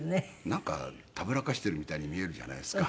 なんかたぶらかしているみたいに見えるじゃないですか。